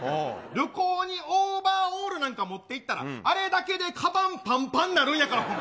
旅行にオーバーオールなんか持っていったら、あれだけでかばんぱんぱんになるんやから、ほんま。